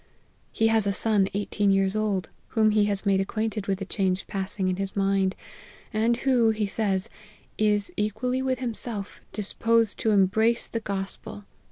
He has a son eighteen years old, whom he has made acquainted with the change passing in his mind ; and who, he says, is, equally with himself, disposed to embrace the Gospel.